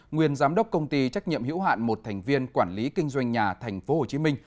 nguyên giám đốc công ty trách nhiệm hiểu hạn một thành viên quản lý kinh doanh nhà tp hcm